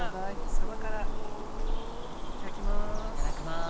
そばいただきます。